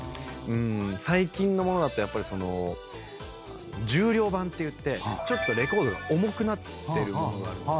最近の物だとその重量盤っていってちょっとレコードが重くなってる物があるんです。